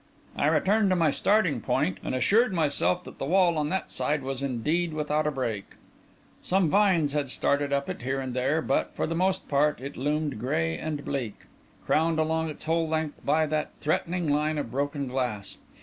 I returned to my starting point, and assured myself that the wall on that side was indeed without a break. Some vines had started up it here and there, but, for the most part, it loomed grey and bleak, crowned along its whole length by that threatening line of broken glass.